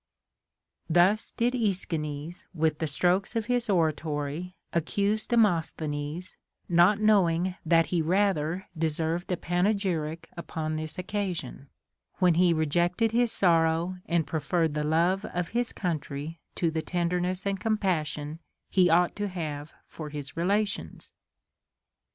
* Thus did Aeschines with the strokes of his oratory accuse Demc^s thenes, not knowing that he rather deserved a panegyric upon this occasion, when he rejected his sorrow and pre ferred the love of his country to the tenderness and com passion he ought to have for his relations.